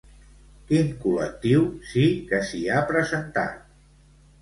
Quin col·lectiu sí que s'hi ha presentat?